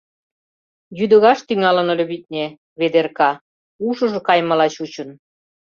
Йӱдыгаш тӱҥалын ыле, витне, Ведерка, ушыжо кайымыла чучын.